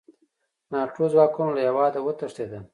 ناټو ځواکونه له هېواده وتښتېدل.